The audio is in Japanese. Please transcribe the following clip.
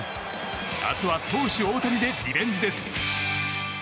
明日は投手・大谷でリベンジです。